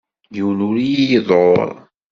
Yiwen ur iyi-iḍurr.